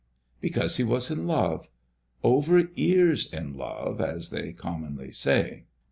Because he was in love, over ears in love, as they commonly say.